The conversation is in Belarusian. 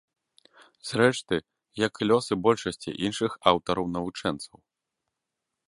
Зрэшты, як і лёсы большасці іншых аўтараў-навучэнцаў.